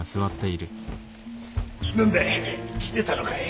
い来てたのかい。